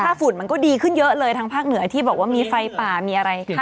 ถ้าฝุ่นมันก็ดีขึ้นเยอะเลยทางภาคเหนือที่บอกว่ามีไฟป่ามีอะไร